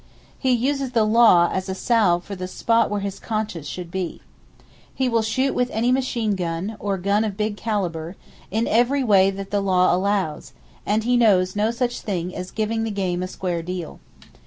He uses the "law" as a salve for the spot where his conscience should be. He will shoot with any machine gun, or gun of big calibre, in every way that the law allows, and he knows no such thing as giving the game a square deal.